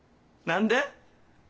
何で？